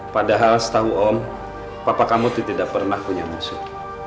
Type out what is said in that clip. padahal setahu om papa kamu tidak pernah punya musuh